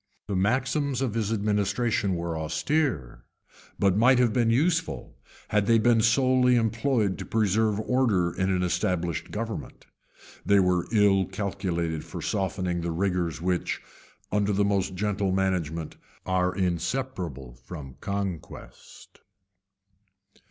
The maxims of his administration were austere, but might have been useful, had they been solely employed to preserve order in an established government:[*] they were ill calculated for softening the rigors which, under the most gentle management, are inseparable from conquest. [* M. West.